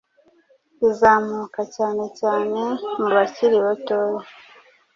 izamuka cyane cyane mu bakiri batoya.